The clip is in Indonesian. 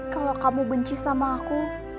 kalau kamu benci sama aku